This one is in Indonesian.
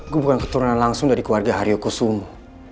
gue bukan keturunan langsung dari keluarga haryo kusumu